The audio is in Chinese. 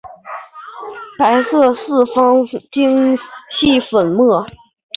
白色四方晶系粉末。